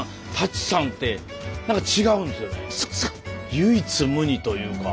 唯一無二というか。